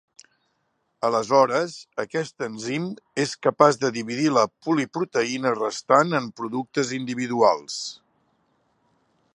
Aleshores, aquest enzim és capaç de dividir la poliproteïna restant en productes individuals.